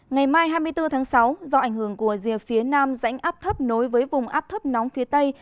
ngày mai hai mươi bốn tháng sáu do ảnh hưởng của rìa phía nam dãnh áp thấp nối với vùng áp thấp nóng phía tây